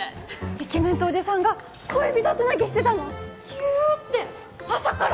イケメンとおじさんが恋人つなぎしてたのギューッて朝から！